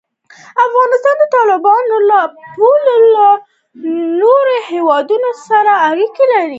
افغانستان د تالابونه له پلوه له نورو هېوادونو سره اړیکې لري.